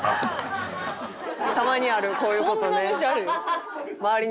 たまにあるこういう事ね。